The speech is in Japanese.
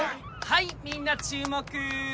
はいみんな注目。